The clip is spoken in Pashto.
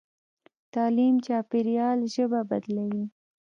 تعلیم چاپېریال ژبه بدلوي.